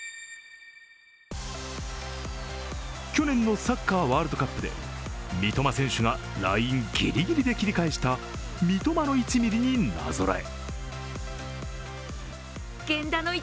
去年のサッカーワールドカップで三笘選手がラインぎりぎりで切り返した三笘の１ミリになぞらえ